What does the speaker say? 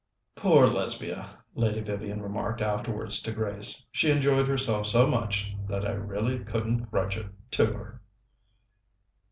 "Poor Lesbia!" Lady Vivian remarked afterwards to Grace; "she enjoyed herself so much that I really couldn't grudge it to her!"